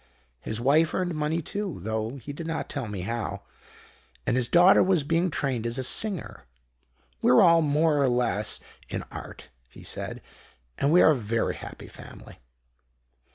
His wife earned money too, though he did not tell me how, and his daughter was being trained as a singer. 'We're all more or less in art,' he said, 'and we are a very happy family.'